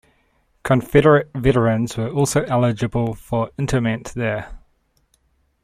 Confederate veterans were also eligible for interment there.